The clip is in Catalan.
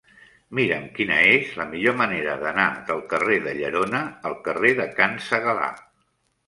Mira'm quina és la millor manera d'anar del carrer de Llerona al carrer de Can Segalar.